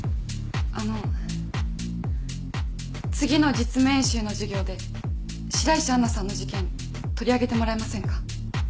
あの次の実務演習の授業で白石杏奈さんの事件取り上げてもらえませんか？